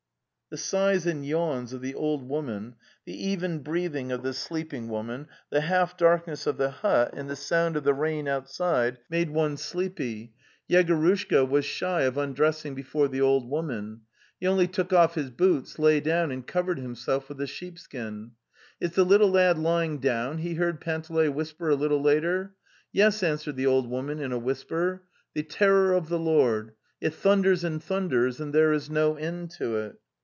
The sighs and yawns of the old woman, the even breathing of the sleeping woman, the half darkness of the hut, and the sound of the rain outside, made one sleepy. Yegorushka was shy of undressing be fore the old woman. He only took off his boots, lay down and covered himself with the sheepskin. 'Ts the little lad lying down?" he heard Panteley whisper a little later. Yes," answered the old woman in a whisper. "The terror of the Lord! It thunders and thun ders, and there is no end to it."